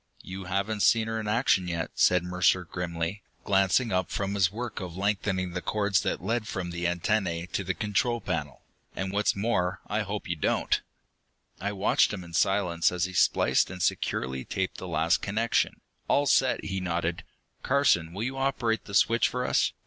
"You haven't seen her in action yet," said Mercer grimly, glancing up from his work of lengthening the cords that led from the antennae to the control panel. "And what's more, I hope you don't." I watched him in silence as he spliced and securely taped the last connection. "All set," he nodded. "Carson, will you operate the switch for us?